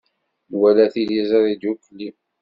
Nwala tiliẓri ddukkli.